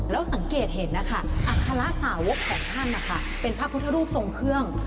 แล้วสังเกตเห็นนะคะอัคระสาวกของท่านนะคะเป็นพระพุทธรูปทรงเครื่อง